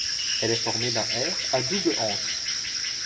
Elle est formée d’un r à double anse.